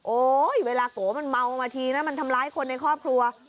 เวลาโกมันเมามาทีนะมันทำร้ายคนในครอบครัว